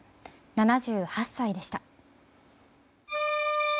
７８歳でした。